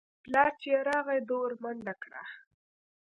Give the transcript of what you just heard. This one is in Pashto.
پلار چې يې راغى ده ورمنډه کړه.